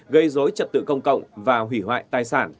gây dối trật tự công cộng và hủy hoại tài sản